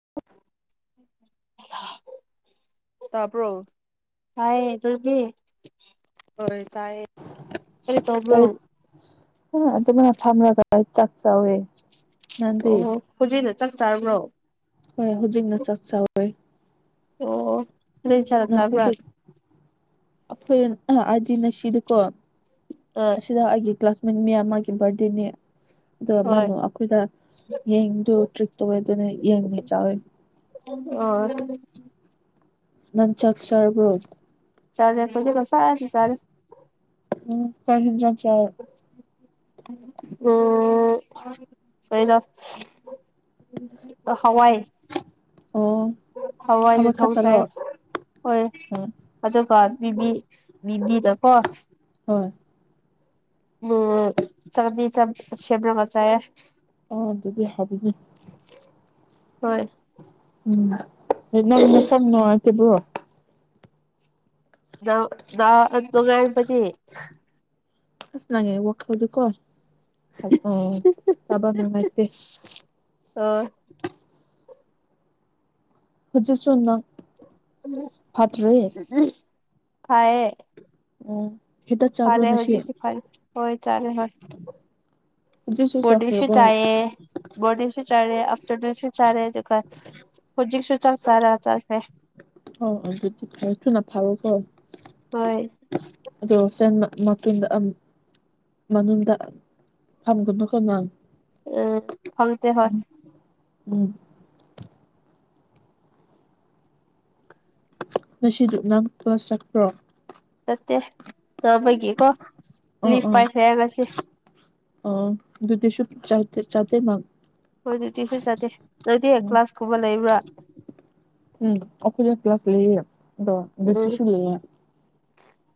[inaudible] [unintelligible] ꯇꯥꯕꯔꯣ ꯇꯥꯌꯦ ꯇꯨꯗꯤ ꯍꯣꯏ ꯇꯥꯏꯌꯦ ꯀꯩ ꯇꯧꯕꯔꯣ ꯑꯗꯨꯃꯅ ꯊꯝꯂ ꯇ ꯆꯥꯛ ꯆ ꯑꯣꯏꯋꯦ ꯑꯣꯍꯣ ꯍꯨꯖꯤꯛꯅ ꯆꯥꯛ ꯆꯥꯔꯕ꯭ꯔꯣ ꯍꯣꯏ ꯍꯧꯖꯤꯛꯅ ꯆꯥꯛ ꯆꯥꯎꯋꯦ ꯑꯣ ꯀꯔꯤ ꯏꯟꯁꯥꯡ ꯆꯥꯕ꯭ꯔꯥ ꯅꯈꯣꯏꯗ ꯑꯩꯈꯣꯏ ꯑꯥꯗꯤ ꯁꯤꯗꯤꯀꯣ ꯑ ꯑꯁꯤꯗ ꯑꯩꯒꯤ ꯀ꯭ꯂꯥꯁꯃꯦꯠ ꯃꯤꯌꯥꯝ ꯑꯃꯒꯤꯒꯤ ꯕꯥꯔꯗꯦꯅꯦ ꯑꯣ ꯍꯣꯏ ꯃꯥꯅꯨ ꯑꯈꯣꯏꯗ ꯌꯦꯡꯗꯨ ꯇꯔꯤ ꯇꯧꯋꯦ ꯑꯗꯨ ꯌꯦꯟ ꯑꯣꯏ ꯆꯥꯌꯦ ꯑꯣ ꯅꯟ ꯆꯥꯛ ꯆꯔꯕꯔꯣ ꯆꯔꯦ ꯈꯣꯏꯗꯤ ꯉꯁꯥꯏꯗ ꯆꯔꯦ ꯎꯝ ꯀꯩ ꯍꯤꯟꯖꯥꯡ ꯆꯥꯌꯦ ꯑꯣꯝ ꯑꯩꯗ ꯍꯋꯥꯏ ꯑꯣ ꯍꯋꯥꯏ ꯌꯨ ꯊꯣꯡ ꯆꯌꯦ ꯍꯣꯏ ꯎꯝ ꯑꯗꯨꯒꯕꯤꯕꯤ ꯕꯤꯗꯀꯣ ꯍꯣꯏ ꯎ ꯆꯥꯛꯅꯇꯤ ꯆꯞ ꯁꯦꯝꯔꯒ ꯆꯌꯦ ꯑꯣ ꯑꯗꯨꯗꯤ ꯍꯧꯕꯅꯤ ꯍꯣꯏ ꯎꯝ ꯅꯪ ꯅꯁꯝ ꯅꯨꯡꯉꯇꯦꯕ꯭ꯔꯣ ꯇꯉ ꯄꯗꯤ ꯐꯁ ꯂꯉꯦ ꯋꯥ ꯈꯜꯗꯨ ꯀꯣ ꯑꯣ ꯇꯕ ꯃꯉꯥꯏꯇꯦ ꯑ ꯍꯖꯤ ꯆꯣꯟ ꯅ ꯐꯠ ꯔꯦ ꯐꯌꯦꯦ ꯎꯝ ꯐꯔꯦ ꯍꯧꯖꯤꯛꯗꯤ ꯐꯔ ꯍꯣꯏ ꯆꯔꯦ ꯐꯔ ꯍꯧꯖꯤꯛꯁꯨ ꯣꯗꯤꯔꯤꯁ ꯆꯥꯈ꯭ꯔꯕꯣ ꯆꯌꯦ ꯗꯤꯔꯤꯁ ꯆꯔ ꯁꯨ ꯆꯥꯔꯦ ꯑꯗꯨꯒ ꯍꯧꯖꯤꯛꯁꯨ ꯆꯥꯛ ꯆꯥꯔꯦ ꯆꯠꯈ꯭ꯔꯦ ꯑꯣ ꯑꯗꯨꯗꯤ ꯊꯁꯨ ꯅꯊꯥꯎ ꯀꯣ ꯍꯣꯏ ꯑꯗꯣ ꯁꯦꯟ ꯃꯇꯨꯡꯗ ꯃꯅꯗ ꯐꯝꯒꯅ ꯀꯅꯥꯪ ꯎꯝ ꯐꯪꯇ ꯍ ꯎꯝ ꯉꯁꯤꯗꯨ ꯅꯪꯄ ꯆꯄ꯭ꯔꯣ ꯇ ꯑꯣ ꯑꯣ ꯑꯣ ꯗꯁꯨ ꯆ ꯆꯗ ꯃꯥ ꯍꯣꯏꯗꯤ ꯇ꯭ꯨꯁꯟ ꯆꯠꯇꯦ ꯑꯗꯨꯗꯤ ꯍꯦꯛ ꯀ꯭ꯂꯥꯁꯀꯨꯝꯕ ꯂꯩꯕ꯭ꯔꯥ ꯄ꯭ꯂ ꯑꯗꯣ ꯎꯝ ꯕꯔꯤꯇꯤꯁ ꯄꯂꯤꯌꯥꯟ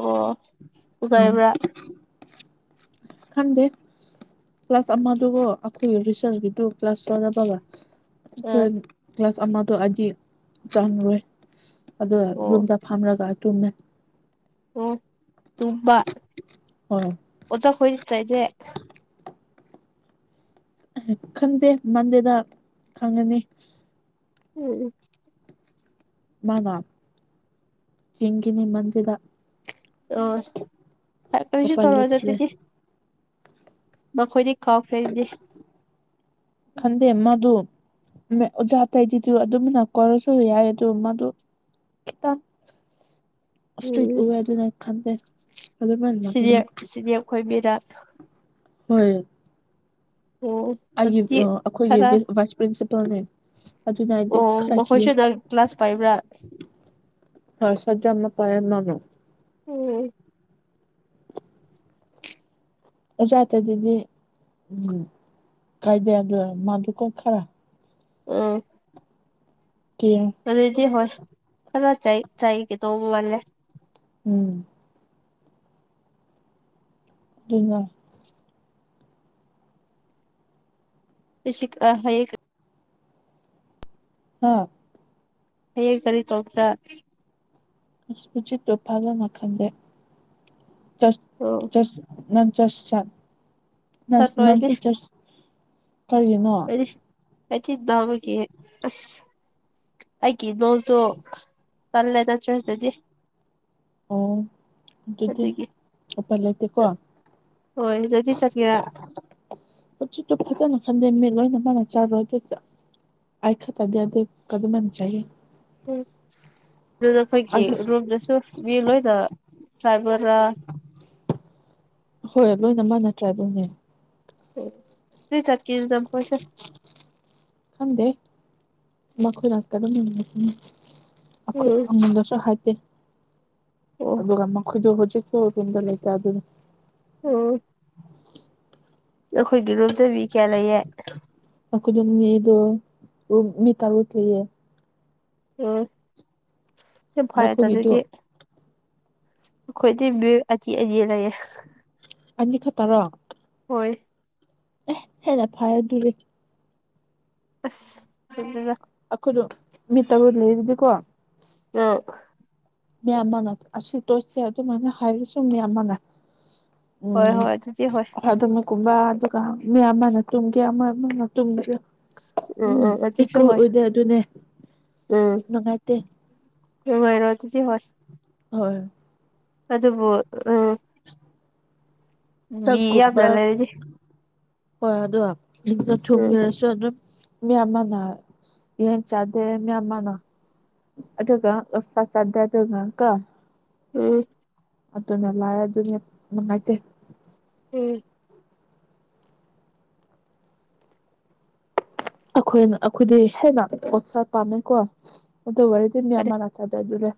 ꯑꯣ ꯎꯝ ꯎꯒꯥꯏꯕ꯭ꯔꯥ ꯈꯪꯗꯦ ꯀ꯭ꯂꯥꯁ ꯑꯃꯗꯨꯒꯣ ꯑꯩꯈꯣꯏꯒꯤ ꯔꯤꯁꯔꯁꯀꯤꯗꯨ ꯀ꯭ꯂꯥꯁ ꯇꯧꯔꯕꯒ ꯑ ꯑꯩꯈꯣꯏ ꯀ꯭ꯂꯥꯁ ꯑꯃꯗꯣ ꯑꯩꯗꯤ ꯆꯪꯉꯨꯔꯣꯏ ꯑ ꯑꯣ ꯌꯨꯝꯗ ꯐꯝꯂꯒ ꯇꯨꯝꯃꯦ ꯑꯣ ꯇꯨꯕ ꯍ ꯆꯠꯇꯗꯦ ꯈꯟꯗꯦ ꯃꯟꯗꯦꯗ ꯈꯪꯉꯅꯤ ꯎꯝ ꯃꯥꯅꯥ ꯍꯤꯅꯤꯃꯗꯗ ꯑꯣ ꯐ ꯀꯔꯤꯁꯨ ꯎꯄꯥꯏ ꯇꯋꯥ ꯂꯩꯇ꯭ꯔꯦ ꯆꯦꯗꯤ ꯃꯈꯣꯏꯗꯤ ꯀꯥꯎ ꯐꯦꯗꯤꯦ ꯈꯟꯗꯦ ꯃꯥꯗꯨ ꯑꯣꯖꯥ ꯑꯇꯩꯗꯤꯗꯨ ꯑꯗꯨꯝꯅ ꯀꯧꯔꯁꯨ ꯌꯥꯏ ꯑꯗꯨ ꯃꯥꯗꯨ ꯁꯇ꯭ꯔꯤ ꯎꯝ ꯎꯕꯦ ꯑꯗꯨꯅꯥꯛ ꯈꯥꯟꯗ ꯑꯗꯨꯗ ꯐꯂ ꯁꯤꯅꯤꯌꯔ ꯁꯤꯅꯤꯌꯔ ꯈꯣꯏ ꯃꯤꯔꯥ ꯍꯣꯏ ꯑꯣ ꯑꯩꯒꯤ ꯑꯗꯨꯗꯤ ꯑꯩꯈꯣꯏꯒꯤ ꯈꯔ ꯚꯥꯏꯁ ꯄ꯭ꯔꯤꯟꯁꯤꯄꯥꯜꯅꯦ ꯑꯗꯨꯅꯗꯤ ꯑꯣ ꯈꯔ ꯀꯌꯦ ꯃꯈꯣꯏꯁꯨꯗ ꯀ꯭ꯂꯥꯁ ꯄꯥꯏꯕ꯭ꯔꯥ ꯍ ꯁꯖ ꯐ ꯅꯅꯣ ꯎꯝ ꯖꯥꯠꯇꯦ ꯑꯗꯨꯗꯤ ꯎ ꯀꯥꯏꯗꯦꯗ ꯃꯥꯗꯨꯀꯣ ꯈꯔ ꯎꯝ ꯀꯤꯌꯦ ꯑꯗꯨꯗꯤ ꯍꯣꯏ ꯈꯔ ꯆ ꯆꯥꯏ ꯀ ꯇ ꯋꯥꯜꯦ ꯎꯝ ꯑꯗꯨꯉ ꯁꯤ ꯍꯌꯦ ꯑꯥ ꯍꯌꯦꯡ ꯀꯔꯤ ꯇꯧꯄ꯭ꯔꯥ ꯁ ꯇꯣꯐꯒ ꯅꯈꯟꯗꯦꯁ ꯑꯣ ꯅꯪ ꯆꯁ ꯆ ꯅꯪ ꯆꯠꯂꯣꯏꯗꯤ ꯅꯪꯁꯨ ꯆꯁ ꯀꯔꯤꯅꯣ ꯑꯩꯗꯤ ꯑꯩꯗꯤ ꯅꯥꯕꯒꯤ ꯑꯁ ꯑꯩꯒꯤ ꯅꯣꯖꫭ ꯇꯜꯂꯦꯗ ꯆꯔ꯭ꯁꯗꯗꯤ ꯑꯣ ꯑꯗꯨꯗꯤ ꯎꯄꯥꯏ ꯂꯩꯇꯦꯀꯣ ꯆ ꯑꫭꯏꯗꯗꯤ ꯆꯠ ꯌꯥ ꯍꯧꯖꯤꯛꯇꫭ ꯐꯖꯅ ꯐꯟꯗꯦ ꯃꯦ ꯂꯣꯏꯅ ꯆꯥꯕꯒꯤꯗ ꯑꯩ ꯈꯤꯇꯪ ꯗꯩ ꯑꯗꯩ ꯀꯗꯨꯃꯟ ꯆꯥꯏꯌꯦ ꯎꯝ ꯑꯗꯨꯗ ꯑꯈꯣꯏꯒꯤ ꯑꯩꯁꯨ ꯔꯨꯝꯗꯁꯨ ꯃꯤ ꯂꯣꯏꯅ ꯆꯥꯏꯕ ꯔꯥ ꯍꯣꯏ ꯂꯣꯏꯅ ꯃꯥꯟꯅ ꯆꯥꯕꯅꯦ ꯎꯝ ꯑꯗꯨꯏ ꯆꯠꯀꯦꯅ ꯆꯠꯄꯁꯦ ꯅꯈꯣꯏꯅ ꯀꯝꯅꯤ [unintelligible] ꯑꯈꯣꯏ ꯎꯝ ꯑꯃꯟꯗꯁꯨ ꯍꯥꯏꯗꯦ ꯑꯣ ꯑꯗꯨꯒ ꯃꯈꯣꯏꯗꫭ ꯍꯧꯖꯤꯛꯇꫭ ꯔꯨꯝꯗ ꯂꯩꯇꯦ ꯑꯗꯨꯅꯤ ꯎꯝ ꯅꯈꯣꯏꯒꯤ ꯔꯨꯝꯗ ꯃꯤꯀꯌꯥ ꯂꯩꯌꯦ ꯑꯈꫭꯏꯗꫭ ꯃꯤꯗꫭ ꯔꯨꯝ ꯃꯤ ꯇꯔꯨꯛ ꯁꯨꯏꯌꯦ ꯎꯝ ꯌꯥꯝ ꯐꯔꯦ ꯅꯈꯣꯏꯒꯤꯗꯨ ꯑꯗꯨꯗꯤ ꯑꯈꯣꯏꯗꯤ ꯃꯤ ꯑꯇꯤꯑꯅꯤ ꯂꯩꯌꯦ ꯑꯅꯤ ꯈꯠꯇꯔꯣ ꯍꯣꯏ ꯍꯦꯟꯅ ꯐꯗꯨꯔꯤ ꯑꯁ ꯐꯩꯗꯨꯅ ꯑꯈꯣꯏꯗꫭ ꯃꯤ ꯇꯔꯨꯛ ꯂꯩꯕꯗꯤꯀꯣ ꯑ ꯃꯌꯥꯝ ꯃꯥꯡꯅ ꯑꯁꯤ ꯇꯣꯏꯁꯁꯦ ꯑꯗꯨꯃꯥꯏꯅ ꯍꯥꯏꯔꯁꯨ ꯃꯌꯥꯝ ꯃꯥꯡꯅ ꯍꯣꯏ ꯎꯝ ꯍꯣꯏ ꯑꯗꯨꯗꯤ ꯍꯣꯏ ꯑꯗꯨꯅ ꯀꯨꯝꯂ ꯑꯗꯨꯒ ꯃꯤꯌꯥꯝꯃꯥꯅ ꯇꯨꯝꯒꯦ ꯑꯃ ꯑꯃꯅ ꯇꯨꯝꯒꯦ ꯎꯝ ꯏꯀꯨꯜ ꯑꯣꯏꯗꯦ ꯑꯗꯨꯅꯦ ꯅꯨꯡꯉꯥꯏꯇꯦ ꯅꯨꯡꯉꯥꯏꯔꫭꯏ ꯑꯗꯨꯗꯤ ꯍꯣꯏ ꯍꯣꯏ ꯑꯗꯨꯕꯨ ꯑ ꯃꯤ ꯆꯛꯀꯨꯝꯕ ꯌꯥꯝꯅ ꯂꯩꯔꯗꯤ ꯍꯣꯏ ꯑꯗꯣ ꯂꯤꯡꯖꯪ ꯎꯝ ꯊꫭꯡꯅꯤꯡꯉꯁꯨ ꯑꯗꯨꯝ ꯃꯤ ꯑꯃꯅ ꯌꯦꯟ ꯆꯥꯗꯦ ꯃꯤ ꯑꯃꯅ ꯑꯗꯨꯒ ꯑꫭꯛꯁꯥ ꯆꯥꯗꯦ ꯑꯗꯨꯅꯀꫭ ꯎꯝ ꯑꯗꯨꯅꯥ ꯂꯥꯛꯑꯦ ꯑꯗꯨꯅꯦ ꯅꯨꯡꯉꯥꯏꯇꯦ ꯎꯝ ꯑꯈꯣꯏꯅ ꯑꯈꯣꯏꯗꯩ ꯍꯦꯟꯅ ꯑꫭꯛꯁꯥ ꯄꯥꯝꯃꯦꯀꯣ ꯑꯗꯨ ꯋꯥꯔꯤꯗꯤ ꯃꯤ ꯐꯔꯦ ꯑꯃꯅ ꯆꯥꯗꯦ ꯑꯗꯨꯅꯦ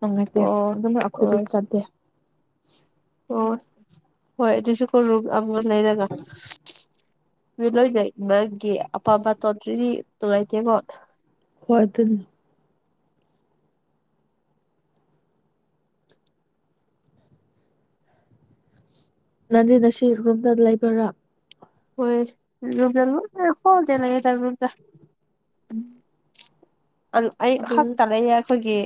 ꯅꯨꯡꯉꯥꯏꯇꯦ ꯑꯣ ꯑꯗꯨꯅ ꯑꯈꯣꯏꯖꯨ ꯑꯣ ꯆꯥꯗꯦ ꯑꯣ ꯍꯣꯏ ꯑꯗꯨꯁꯨ ꯄꯨꯜꯂꯨ ꯑꯃꯨꯔꯛ ꯂꯩꯔꯒ ꯃꯤ ꯂꯣꯏ ꯂꯩꯕꯥꯒꯤ ꯑꯄꯥꯝꯕ ꯇꯣꯇ꯭ꯔꯤꯗꯤ ꯇꫭꯔꯩꯗꯦꯀꯣ ꯍꯣꯏ ꯑꯗꯨꯅꯤ ꯅꯪꯗꯤ ꯉꯁꯤ ꯔꯨꯝꯗ ꯂꯩꯕꯔꯥ ꯍꯣꯏ ꯔꯨꯝ [unintelligible] ꯎꯝ ꯑꯗꯨ ꯑꯩ ꯈꯛꯇ ꯂꯩꯌꯦ ꯑꯈꯣꯏꯒꯤ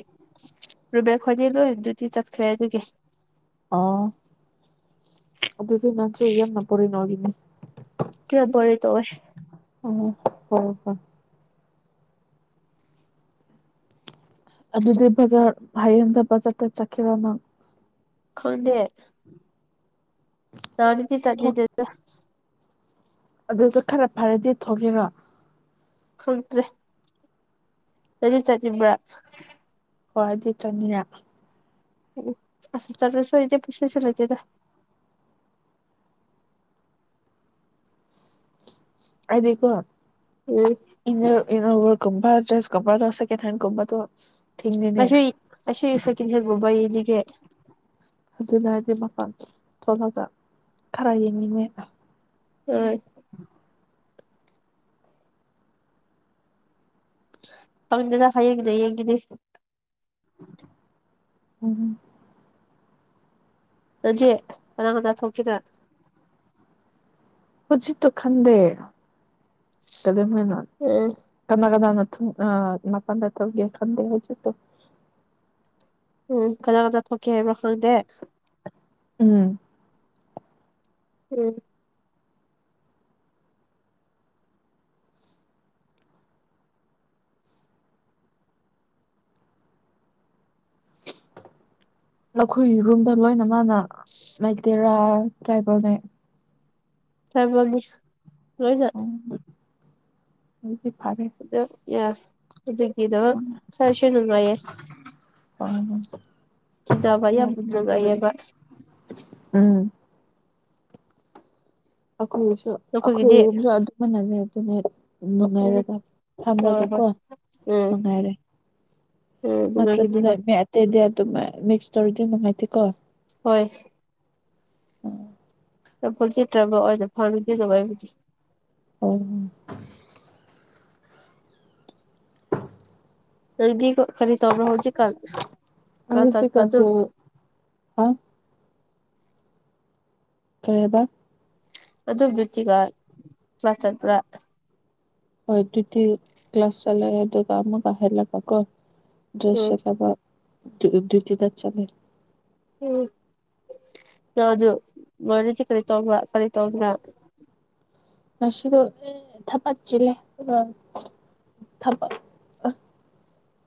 ꯔꯨꯕꯦꯠ ꯍꫭꯏꯗꯤ ꯂꯣꯏ ꯗꯤ꯭ꯌꯇꯤ ꯆꯠꯈ꯭ꯔꯦ ꯑꯗꯨꯒꯤ ꯑꯣ ꯑꯗꯨꯗꯤ ꯅꯪꯁꯨ ꯌꯥꯝꯅ ꯕꯣꯔꯤꯡ ꯑꯣꯏꯒꯅꯤ ꯀꯌꯥ ꯕꫭꯔꯩ ꯇꯧꯋꯦ ꯎꯝ ꯐꯔꯦ ꯐꯔꯦ ꯑꯗꯨꯗꯤ ꯕꯖꯥꯔ ꯍꯌꯦꯡꯗ ꯕꯖꯥꯔꯗ ꯆꯠꯈꯤꯔꯣ ꯅꯪ ꯈꯪꯗꯦ ꯇꯔꯥꯗꯤ [unintelligible] ꯑꯗꯨꯁꯨ ꯈꯔ ꯐꯔꯗꯤ ꯊꯣꯛꯀꯦꯔꯣ ꯈꯪꯗ꯭ꯔꯦ ꯅꯪꯗꯤ ꯆꯠꯅꯤꯡꯕ꯭ꯔꯥ ꯍꯣꯏ ꯑꯗꯨꯗꯤ ꯆꯅꯤꯌꯥ ꯎ ꯆꯠꯂꯥꯁꯨ ꯏꯥꯗꯤ ꯄꯩꯁꯥꯁꯨ ꯂꯩꯗꯦꯗ ꯑꯩꯗꯤꯀꯣ ꯎꯝ [unintelligible] ꯀꯨꯝꯕꯥꯥ ꯗ꯭ꯔꯦꯁ [unintelligible] ꯁꯦꯀꯦꯟꯍꯦꯟ ꯀꯨꯝꯕꯥꯗꯣ [unintelligible] ꯑꯗꯨꯅ ꯍꯥꯏꯗꯤ ꯃꯄꯥꯟ [unintelligible] ꯊꯣꯛꯂꯒ ꯈꯔ ꯌꯦꯡꯅꯤꯡꯉꯦ ꯍꯣꯏ ꯄꯪꯗꯦꯗꯥ ꯍꯌꯦꯡꯒꯤꯗꯤ ꯌꯦꯡꯈꯤꯅꯤ ꯎꯝ ꯅꯪꯗꯤ ꯀꯅꯥ ꯀꯅꯥ ꯊꯣꯛꯈꯤꯔ ꯍꯧꯖꯤꯠꯇꯣ ꯈꯟꯗꯦ ꯀꯗꯅ ꯎꯝ ꯀꯅꯥ ꯀꯅꯥꯅ ꯑ ꯃꯄꯥꯟꯗ ꯇꯧ ꯌꯥ ꯈꯟꯗꯦ ꯍꯥꯏꯖꯦ ꯎꯝ ꯀꯖꯥ ꯀꯖꯥ ꯊꯀꯦ ꯍꯥꯏꯕ꯭ꯔ ꯈꯪꯗꯦ ꯎꯝ ꯎꯝ ꯂꯧꯈꯣꯏꯔꯨꯝꯗ ꯂꯣꯏꯅ ꯃꯥꯅ ꯃꯩꯇꯦꯔꯥ ꯇ꯭ꯔꯥꯏꯕꯅꯦꯥꯏ ꯆꯥꯏꯕꯗꯤ ꯂꯣꯏꯅꯥꯛ ꯍꯧꯗꯤ ꯐꯔꯦ ꯑꯗꯨ ꯌꯥ ꯑꯗꯨꯒꯤꯗꯣ ꯈꯔꯁꯨ ꯅꯨꯡꯉꯥꯏꯌꯦꯦ ꯆꯤꯗꯕ ꯌꯥꯝ ꯅꯨꯡꯉꯥꯏꯌꯦꯕ ꯎꯝ ꯑꯩꯈꯣꯏꯁꯨ ꯅꯈꯣꯏꯒꯤꯗꯤ ꯑꯩꯈꯣꯏꯁꯨ ꯑꯗꯨꯃꯅꯂꯦ ꯑꯗꯨꯅꯦ ꯎꯝ ꯅꯨꯡꯉꯥꯏꯔꯒ ꯍꯣꯏ ꯐꯝꯔꯒ ꯍꯣꯏ ꯀꯣ ꯎꯝ ꯅꯨꯡꯉꯥꯏꯔꯦ ꯎꯝ ꯅꯨꯡꯉꯥꯏꯕꯅꯤ ꯍꯣꯏ ꯅꯠꯇ꯭ꯔꯗꯤ ꯑꯇꯩꯗꯤ ꯑꯗꯨꯝ ꯃꯤꯛꯁ ꯇꯧꯔꯗꯤ ꯅꯨꯡꯉꯥꯏꯇꯦꯀꯣ ꯍꯣꯏ ꯐ ꯆꯠꯇ꯭ꯔꯕ ꯑꯣꯏꯅ ꯐꯪꯔꯗꯦꯗ ꯑꯣꯏꯕꯨꯗꯤ ꯑꯣ ꯑꯗꯨꯗꯤꯒ ꯈꯔꯤ ꯇꯧꯕ꯭ꯔ ꯍꯧꯖꯤ ꯀꯥꯟ ꯉ ꯐꯖ ꯍꯧꯖꯤꯛꯀꯥꯟꯗꯣ ꯍꯥ ꯀꯕ ꯑꯗꯨꯗꯣꯕꯠꯇꯤꯒ ꯆꯠꯇ꯭ꯔ ꯍꯣꯏ ꯑꯗꯨꯗꯤꯤ ꯀ꯭ꯂꯥꯁ ꯆꯠꯂꯑꯦ ꯑꯗꯨꯒ ꯑꯃꯨꯛꯍꯜꯂꯒ ꯀꯣ ꯎꯝ ꯗ꯭ꯔꯦꯁ ꯁꯦꯂꯕ ꯏ ꯇꯤꯟ ꯆꯂꯦ ꯎꯝ ꯆꯖ ꯃꯔꯦꯁꯤ ꯈꯔꯤ ꯇꯣ꯭ꯔ ꯈꯔꯤ ꯇꯣꯝꯕ꯭ꯔ ꯉꯁꯤꯗꯣ ꯊꯄꯆ ꯂꯩꯦ ꯑ ꯊꯕ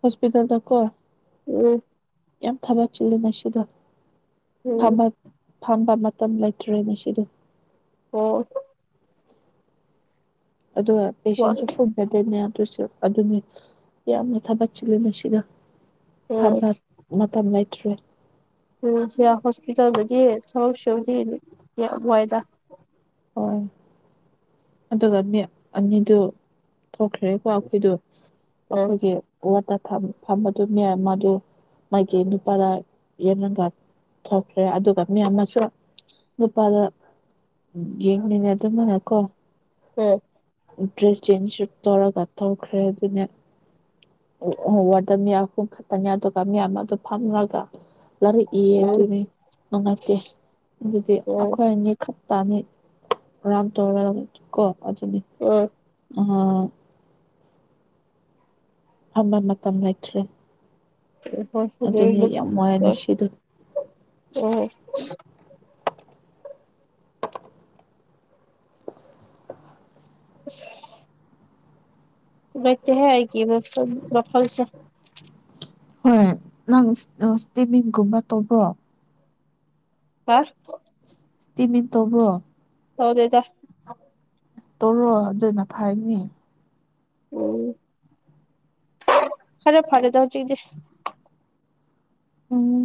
ꯍꯣꯁꯄꯤꯇꯥꯜꯗ ꯀꯣ ꯎꯝ ꯌꯥꯝ ꯊꯕꯛ ꯆꯤꯜꯂꯦ ꯅ ꯁꯤꯗꯣ ꯎꯝ ꯊꯕꯛ ꯐꯝꯕ ꯃꯇꯝ ꯂꯩꯇ꯭ꯔꯦꯅꯦ ꯁꯤꯗ ꯑꯣ ꯑꯣ ꯄꯦꯁꯦꯟꯁꯨ ꯐꯨꯕꯗꯅꯦ ꯑꯗꯨꯁꯨ ꯑꯗꯨꯅꯤ ꯌꯥꯝꯅ ꯊꯕꯠ ꯆꯤꯂ ꯑꯁꯤꯗ ꯎꯝ ꯐꯕ ꯇ ꯂꯩꯇ꯭ꯔꯦ ꯎ ꯍꯣꯁꯄꯤꯇꯥꯜꯗꯗꯤ ꯊꯛ ꯁꯕꯗꯤ ꯌꯥꯝ ꯋꯥꯏꯗ ꯍꯣꯏ ꯑꯗꯨꯒ ꯃꯤ ꯑꯅꯤꯗꯨ ꯊꯣꯛꯈ꯭ꯔꯦꯀꯣ ꯑꯩꯈꯣꯏꯗ ꯎꯝ ꯑꯩꯈꯣꯏꯒꯤ ꯋꯥꯠꯇ ꯐꯝꯕꯗꯨ ꯃꯌꯥꯝ ꯃꯗ ꯃꯥꯒꯤ ꯅꯨꯄꯥꯗ ꯌꯦꯪꯒ ꯊꯣꯛꯈ꯭ꯔꯦ ꯑꯗꯨꯒ ꯃꯤ ꯑꯃꯁꯨ ꯂꯨꯄꯥꯗ ꯌꯦꯡꯅꯤꯅ ꯑꯗꯨꯃꯅ ꯀꯣ ꯎꯝ ꯗ꯭ꯔꯦꯁ ꯆꯦꯟꯁ ꯇꯧꯔ ꯀꯊꯣꯛꯈ꯭ꯔꯦ ꯑꯗꯨꯅꯦ ꯑꯣ ꯋꯥꯗꯨꯝ ꯈꯛꯇꯅꯤ ꯑꯗꯨꯒ ꯃꯌꯥꯝ ꯑꯗꯨꯗ ꯐꯝꯃꯒ ꯂꯥꯏꯔꯛꯏꯌꯦ ꯎꯝ ꯑꯗꯨꯅꯤ ꯅꯨꯡꯉꯥꯏꯇꯦ ꯑꯗꯨꯗꯤ ꯎꯝ ꯑꯩꯈꯣꯏ ꯑꯅꯤ ꯈ ꯇꯅꯤ ꯔꯝ ꯇꯧꯔ ꯀꯅꯤ ꯎꯝ ꯑ ꯑꯃ ꯃ ꯇꯝ ꯂꯥꯏꯇ꯭ꯔꯦ ꯍꯣꯏ ꯑꯗꯨꯗꯤ ꯑꯗꯨ ꯌꯥꯝ ꯃꯌꯥꯅ ꯍꯣꯏ ꯁꯤꯗꯨ ꯎꯝ [unintelligible] ꯂꯩꯇ ꯍꯒꯤ ꯂꯐꯜꯁꯦ ꯍꯣꯏ ꯅꯪ ꯏꯁꯇꯤꯃꯤꯡꯒꯨꯝꯕ ꯇꯧꯕ꯭ꯔꯣ ꯍꯥ ꯏꯁꯇꯤꯃꯤꯟ ꯇꯧꯕ꯭ꯔꯣ ꯍꯧꯗꯦꯗ ꯇꯣꯔꯣ ꯑꯗꯨꯅ ꯐꯥꯏꯅꯤ ꯎꯝ ꯈꯔꯦ ꯐꯔꯦꯗ ꯍꯧ ꯆꯖꯦ ꯎꯝ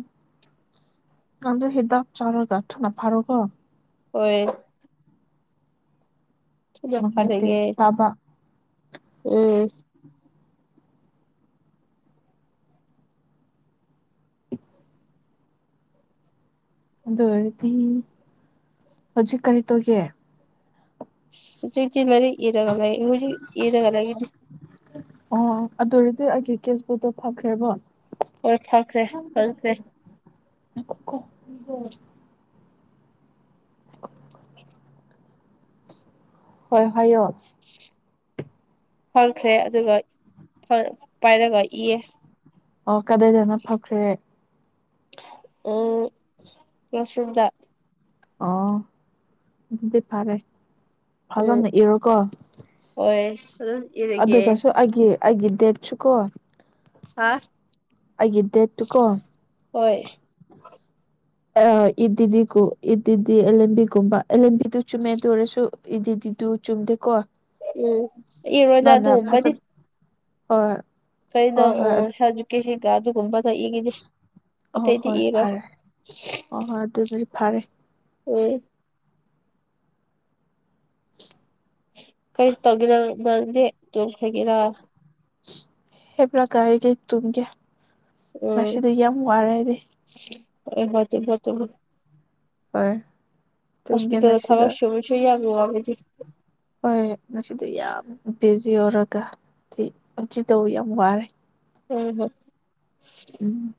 ꯀꯥꯟꯗ ꯍꯤꯗꯥꯛ ꯆꯥꯔꯒ ꯊꯅꯥ ꯐꯥꯔꯣꯒꯣ ꯍꯣꯏ ꯅꯨꯡꯉꯥꯏꯇꯦ ꯐꯔꯒꯦ ꯇꯥꯕ ꯎꯝ ꯑꯗꯨ ꯑꯣꯏꯔꯗꯤ ꯍꯧꯖꯤꯛ ꯀꯔꯤ ꯇꯧꯒꯦ [inaudible] ꯖꯤꯂꯔꯤ ꯏꯔꯒꯂ ꯏ ꯏꯔꯒꯂ ꯀꯦꯁꯕꯨ ꯐꯛꯈ꯭ꯔꯦꯕꯣ ꯍꯣꯏ ꯐꯈ꯭ꯔꯦ ꯐꯪꯈ꯭ꯔꯦ ꯣ ꯀ ꯍꯣ ꯍꯣꯏ ꯍꯌꯣ ꯐꯪꯈ꯭ꯔꯦ ꯑꯗꯨꯒ ꯄꯥꯏꯔꯒ ꯏꯌꯦ ꯑꯣ ꯀꯗꯥꯏꯗꯅ ꯐꯈ꯭ꯔꯦ ꯑꯣ ꯀ꯭ꯂꯥꯁꯔꯝꯗ ꯑꯣ ꯑꯗꯨꯗꯤ ꯐꯔꯦ ꯎꯝ ꯐꯖꯅ ꯏꯔꯣꯀꯣ ꯍꯣꯏ ꯑꯗꯨꯝ ꯏꯔꯒꯦ ꯑꯗꯨꯒꯁꯨ ꯑꯩꯒꯤ ꯑꯩꯒꯤꯗꯦꯠꯁꯨ ꯀꯣ ꯍꯥꯥ ꯑꯩꯒꯤ ꯗꯦꯠ ꯇꯨ ꯀꯣ ꯍꯣꯏ ꯑ ꯏꯗꯤꯀꯣ ꯏꯗꯤ ꯑꯦꯂꯦꯝꯕꯤꯒꯨꯝꯕ ꯑꯦꯂꯦꯝꯕꯤꯗꯨ ꯆꯨꯝꯃꯦ ꯇꯧꯔꯁꯨ ꯏꯗꯤꯗꯤꯗꯨ ꯆꯨꯝꯗꯦꯀꯣ ꯎꯝ ꯏ ꯔꯣꯖ ꯑꯗꯨ ꯅꯪꯅ ꯑꯣꯝꯕꯗꯤ ꯐꯖꯅ ꯍꯣꯏ ꯍꯣꯏ ꯍꯣꯏ ꯀꯩꯣꯖꯨꯀꯦꯁꯒ ꯑꯗꯨꯒꯨꯝꯕ ꯑ ꯏꯒꯤꯗꯤ ꯑꯣ ꯑꯇꯩꯗꯤ ꯍꯣꯏ ꯏꯔꯣ ꯍ ꯐꯔꯦ ꯍꯣꯏ ꯍꯣꯏ ꯑꯗꯨꯗꯤ ꯐꯔꯦ ꯀꯩꯁꯨ ꯇꯧꯒꯦꯔ ꯅꯪꯦ ꯇꯣꯡ ꯍꯒꯦꯔꯥ ꯍꯦꯕ꯭ꯔ ꯀꯑꯒꯦ ꯇꯨꯡꯒꯦ ꯃꯁꯤꯗ ꯏ ꯌꯥꯝ ꯃꯃꯔꯗꯤ ꯑ ꯋꯥ ꯐꯠꯇ ꯍꯣꯏ ꯇꯨꯝꯒꯦ ꯍꯁꯄꯤꯇꯥꯜꯦ ꯉꯁꯤꯗꯣ ꯊꯕꯔ ꯁꯣꯏ ꯁꯣꯏ ꯑꯃꯗꯤ ꯍꯣꯏ ꯃꯁꯤꯗꯤ ꯌꯥꯝ ꯌꯧꯔꯒ ꯑ ꯍꯧ ꯇꯧ ꯌꯥꯝ ꯋꯥꯔꯦ ꯎꯝ ꯍ ꯎꯝ